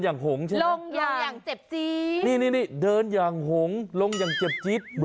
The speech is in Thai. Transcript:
อันนี้ยังลงอย่างเจ็บจี๊ด